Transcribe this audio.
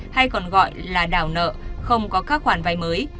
hay còn gọi là đảo nợ không có các khoản vay mới